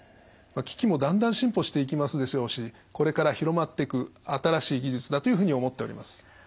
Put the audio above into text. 機器もだんだん進歩していきますでしょうしこれから広まっていく新しい技術だというふうに思っております。